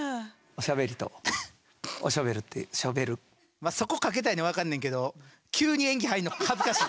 まあそこ掛けたいのは分かんねんけど急に演技入んの恥ずかしい。